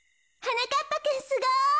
なかっぱくんすごい。